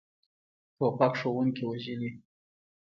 توپک ښوونکي وژلي.